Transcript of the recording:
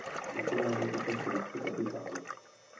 Vykonával také funkci kapitána.